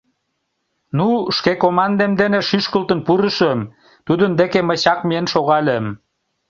Ну, шке командем дене шӱшкылтын пурышым, тудын деке мый чак миен шогальым: